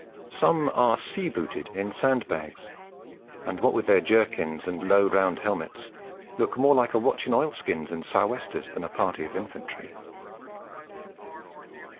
Some are sea booted in sand bags, and what with their jerkins and low, round helmets, look more like a watch in oilskins and sou' westers than a party of Infantry.